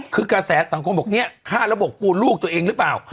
คือกระแสสังคมบอกเนี่ยฆ่าระบบปูนลูกตัวเองหรือเปล่า